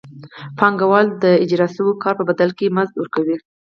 پانګوال د اجراء شوي کار په بدل کې مزد ورکوي